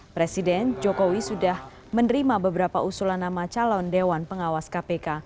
presiden jokowi sudah menerima beberapa usulan nama calon dewan pengawas kpk